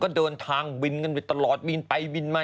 ก็เดินทางบินกันไปตลอดบินไปบินมา